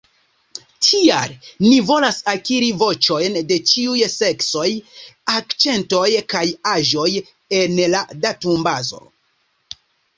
Tial ni volas akiri voĉojn de ĉiuj seksoj, akĉentoj kaj aĝoj en la datumbazo.